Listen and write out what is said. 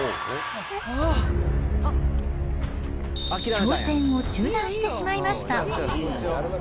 挑戦を中断してしまいました。